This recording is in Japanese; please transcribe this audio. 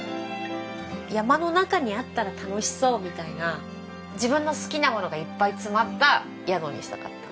山の中にあったら楽しそうみたいな自分の好きなものがいっぱい詰まった宿にしたかった。